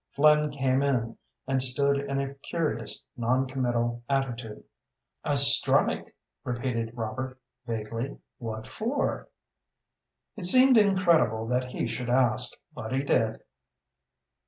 Flynn came in and stood in a curious, non committal attitude. "A strike!" repeated Robert, vaguely. "What for?" It seemed incredible that he should ask, but he did.